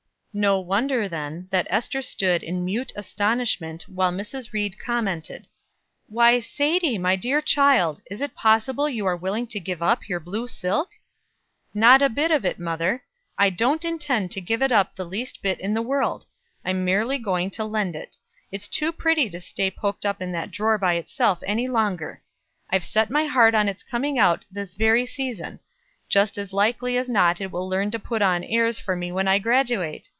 No wonder, then, that Ester stood in mute astonishment, while Mrs. Ried commented: "Why, Sadie, my dear child, is it possible you are willing to give up your blue silk?" "Not a bit of it, mother; I don't intend to give it up the least bit in the world. I'm merely going to lend it. It's too pretty to stay poked up in that drawer by itself any longer. I've set my heart on its coming out this very season Just as likely as not it will learn to put on airs for me when I graduate.